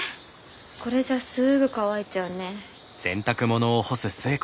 これじゃすぐ乾いちゃうね。